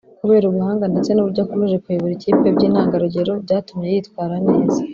kubera ubuhanga ndetse n’uburyo akomeje kuyobora ikipe by’intangarugero byatumye yitwara neza